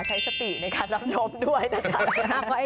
ใช้สติในการรับชมด้วยนะคะ